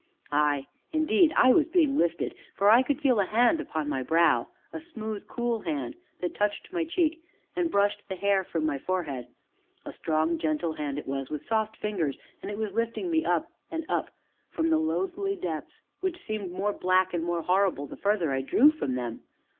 Ay, indeed, I was being lifted, for I could feel a hand upon my brow a smooth, cool hand that touched my cheek, and brushed the hair from my forehead; a strong, gentle hand it was, with soft fingers, and it was lifting me up and up from the loathly depths which seemed more black and more horrible the farther I drew from them.